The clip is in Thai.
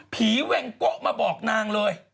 ผีเวงโกะมาบอกนางเลย